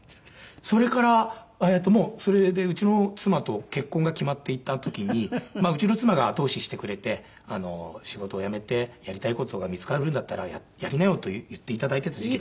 それからもうそれでうちの妻と結婚が決まっていた時にうちの妻が後押ししてくれて「仕事辞めてやりたい事が見つかるんだったらやりなよ」と言って頂いていた時期。